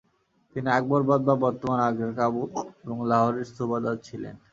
তিনি আকবরআবাদ বা বর্তমান আগ্রার কাবুল এবং লাহোরের সুবাদার ছিলেন।